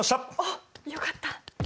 おっよかった。